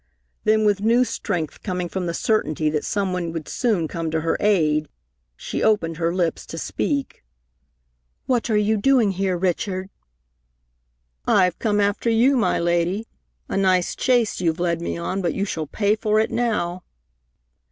Then with new strength coming from the certainty that some one would soon come to her aid, she opened her lips to speak. "What are you doing here, Richard?" "I've come after you, my lady. A nice chase you've led me, but you shall pay for it now."